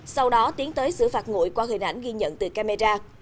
sau đó tiến tới xử phạt ngụy qua hình ảnh ghi nhận từ camera